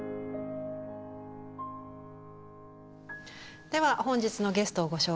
では本日のゲストをご紹介しましょう。